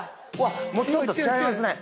もうちょっとちゃいますね